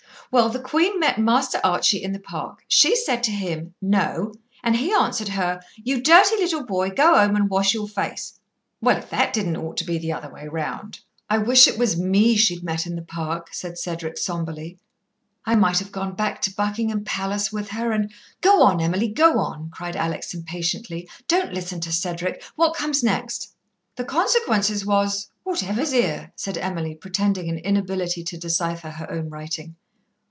"Well, the Queen met Master Archie in the Park. She said to him, 'No,' and he answered her, 'You dirty little boy, go 'ome and wash your face.' Well, if that didn't ought to be the other way round!" "I wish it was me she'd met in the Park," said Cedric sombrely. "I might have gone back to Buckingham Palace with her and " "Go on, Emily, go on!" cried Alex impatiently. "Don't listen to Cedric. What comes next?" "The consequences was whatever's here?" said Emily, pretending an inability to decipher her own writing.